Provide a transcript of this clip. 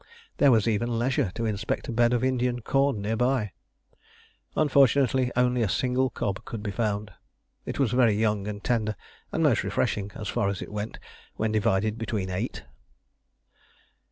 There was even leisure to inspect a bed of Indian corn near by. Unfortunately only a single cob could be found. It was very young and tender, and most refreshing, as far as it went when divided between eight.